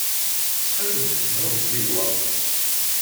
Ttxil-k ṛuḥ-d di lweqt.